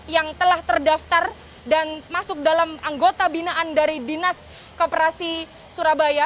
yang telah terdaftar dan masuk dalam anggota binaan dari dinas kooperasi surabaya